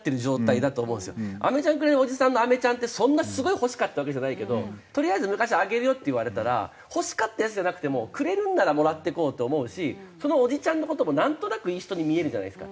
飴ちゃんくれるおじさんの飴ちゃんってそんなすごい欲しかったわけじゃないけどとりあえずあげるよって言われたら欲しかったやつじゃなくてもくれるんならもらっておこうって思うしそのおじちゃんの事もなんとなくいい人に見えるじゃないですか。